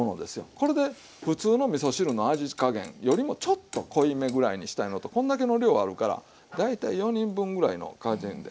これでふつうのみそ汁の味加減よりもちょっと濃いめぐらいにしたいのとこんだけの量あるから大体４人分ぐらいの加減で。